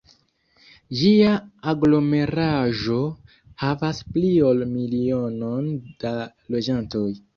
Ĝia aglomeraĵo havas pli ol milionon da loĝantoj.